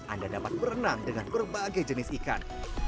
anda dapat berenang dengan berbagai jenis ikan